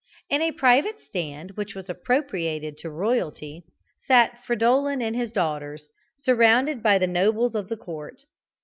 In a private stand which was appropriated to royalty, sat Fridolin and his daughters, surrounded by the nobles of the court.